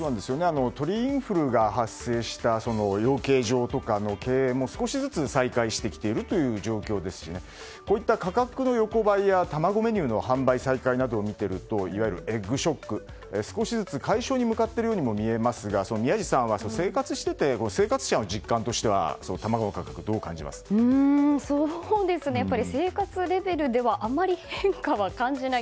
鳥インフルが発生した養鶏場とかの経営も、少しずつ再開しているという状況ですしこういった価格の横ばいや卵メニューの販売再開などを見ているといわゆるエッグショックは少しずつ解消に向かっているようにも見えますが宮司さんは生活していて生活者の実感として生活レベルではあまり変化は感じない。